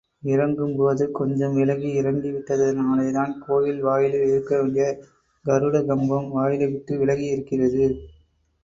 இறங்கும் போது கொஞ்சம் விலகி இறங்கிவிட்டதினாலேதான் கோயில் வாயிலில் இருக்க வேண்டிய கருட கம்பம், வாயிலை விட்டு விலகியிருக்கிறது.